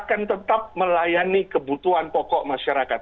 akan tetap melayani kebutuhan pokok masyarakat